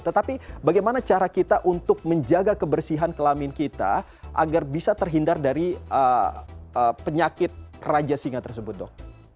tetapi bagaimana cara kita untuk menjaga kebersihan kelamin kita agar bisa terhindar dari penyakit raja singa tersebut dok